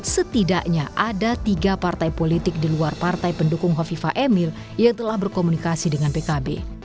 setidaknya ada tiga partai politik di luar partai pendukung hovifa emil yang telah berkomunikasi dengan pkb